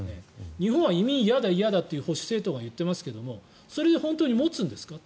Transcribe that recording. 日本は移民嫌だと保守政党が言ってますがそれで本当に持つんですか。